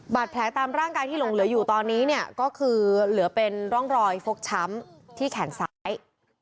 ตามร่างกายที่หลงเหลืออยู่ตอนนี้เนี่ยก็คือเหลือเป็นร่องรอยฟกช้ำที่แขนซ้าย